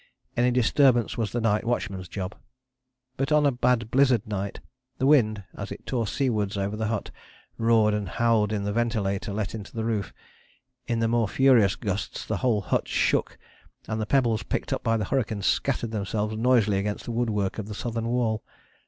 Any disturbance was the night watchman's job. But on a bad blizzard night the wind, as it tore seawards over the hut, roared and howled in the ventilator let into the roof: in the more furious gusts the whole hut shook, and the pebbles picked up by the hurricane scattered themselves noisily against the woodwork of the southern wall.